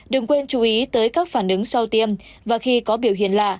đừng quên chú ý tới các phản ứng sau tiêm và khi có biểu hiện lạ